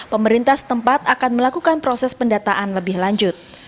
pemerintah setempat akan melakukan proses pendataan lebih lanjut